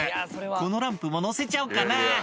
「このランプものせちゃおうかな」